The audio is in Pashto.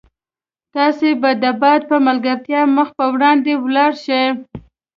تاسي به د باد په ملګرتیا مخ په وړاندې ولاړ شئ.